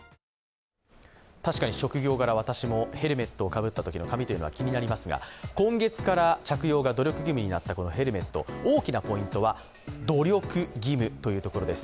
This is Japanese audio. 確かに職業柄、私もヘルメットをかぶったときの髪というのは気になりますが、今月から着用が努力義務になったヘルメット、大きなポイントは努力義務というところです。